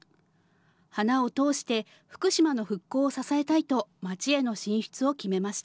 花を通して福島の復興を支えたいと、町への進出を決めました。